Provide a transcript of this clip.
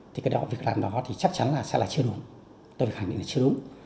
thì cái việc làm đó thì chắc chắn là sẽ là chưa đúng tôi khẳng định là chưa đúng